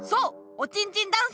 「おちんちんダンス」